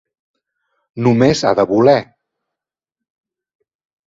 Només ha de voler.